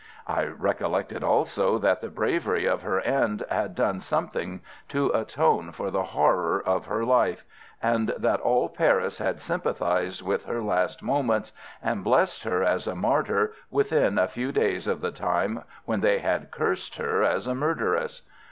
I recollected also that the bravery of her end had done something to atone for the horror of her life, and that all Paris had sympathized with her last moments, and blessed her as a martyr within a few days of the time when they had cursed her as a murderess.